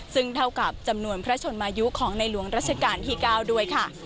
ซึ่งเท่ากับจำนวนพระชนมายุของในหลวงรัชกาลที่๙ด้วยค่ะ